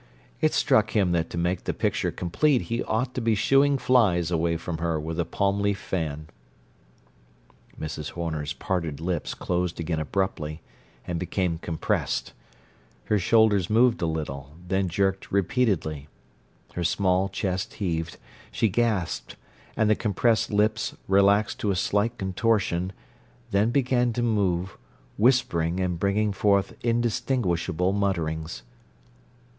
It struck him that to make the picture complete he ought to be shooing flies away from her with a palm leaf fan. Mrs. Horner's parted lips closed again abruptly, and became compressed; her shoulders moved a little, then jerked repeatedly; her small chest heaved; she gasped, and the compressed lips relaxed to a slight contortion, then began to move, whispering and bringing forth indistinguishable mutterings.